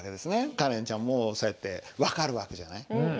カレンちゃんもそうやって分かる訳じゃない？